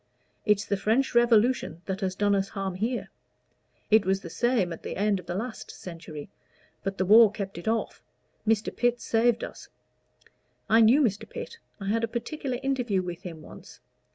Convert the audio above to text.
"It's the French Revolution that has done us harm here. It was the same at the end of the last century, but the war kept it off Mr. Pitt saved us. I knew Mr. Pitt. I had a particular interview with him once.